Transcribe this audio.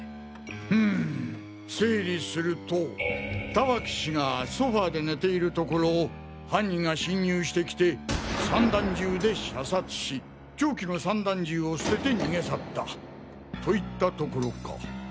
ふむ整理すると田分氏がソファで寝ているところを犯人が侵入してきて散弾銃で射殺し凶器の散弾銃を捨てて逃げ去ったといったところか。